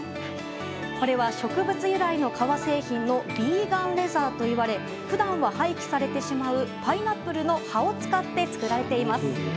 これは植物由来の革製品のビーガンレザーといわれ普段は廃棄されるパイナップルの葉を使って作られています。